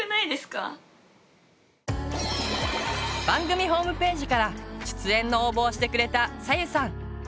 番組ホームページから出演の応募をしてくれたさゆさん。